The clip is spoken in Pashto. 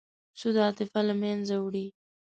سود عاطفه له منځه وړي.